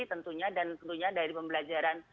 tentunya dan tentunya dari pembelajaran